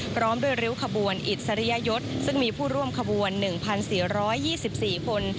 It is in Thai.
พร้อมด้วยริ้วขบวนอิสริยยศซึ่งมีผู้ร่วมขบวน๑๔๒๔คน